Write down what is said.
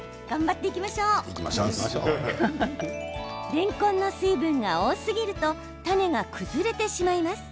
れんこんの水分が多すぎるとタネが崩れてしまいます。